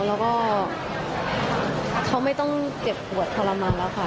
แล้วก็เขาไม่ต้องเจ็บปวดทรมานแล้วค่ะ